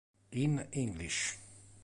In english